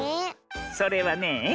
それはねえ